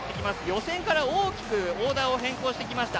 予選から大きくオーダーを変更してきました。